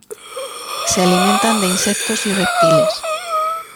Se alimentan de insectos y reptiles.